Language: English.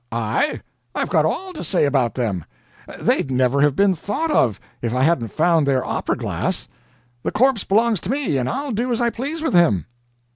"I? I've got ALL to say about them. They'd never have been thought of if I hadn't found their opera glass. The corpse belongs to me, and I'll do as I please with him."